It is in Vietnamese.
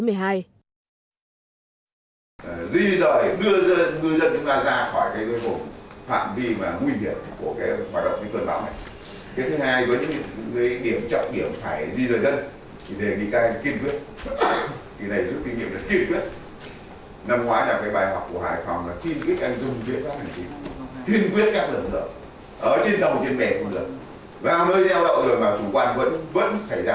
duy dời đưa dân chúng ta ra khỏi cây cây bổ